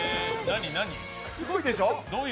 すごいでしょ？